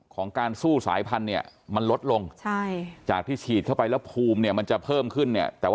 การสู้สายพันธุ์เนี่ยมันลดลงจากที่ฉีดเข้าไปแล้วภูมิเนี่ยมันจะเพิ่มขึ้นเนี่ย